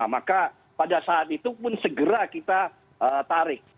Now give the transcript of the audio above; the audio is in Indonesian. maka pada saat itu pun segera kita tarik